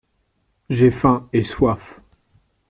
J’ai faim et soif.